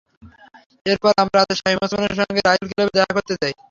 এরপর আমরা রাতে শামীম ওসমানের সঙ্গে রাইফেল ক্লাবে দেখা করতে যাই।